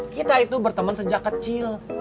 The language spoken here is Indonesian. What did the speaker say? kita itu berteman sejak kecil